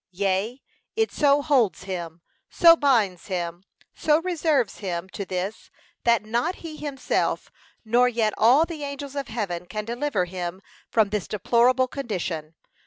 Yea, it so holds him, so binds him, so reserves him to this, that not he himself, nor yet all the angels of heaven, can deliver him from this deplorable condition.